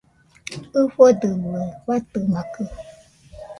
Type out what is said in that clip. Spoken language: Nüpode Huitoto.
ɨfodɨmɨe fatɨmakɨ